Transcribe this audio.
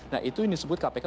nah itu yang disebut kpk